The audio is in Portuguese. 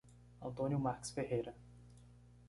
Antônio Marques Ferreira